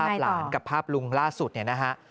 หลานกับภาพลุงล่าสุดเนี่ยนะฮะ